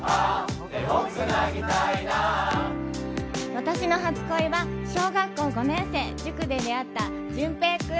私の初恋は小学校５年生、塾で出会ったジュンペイ君。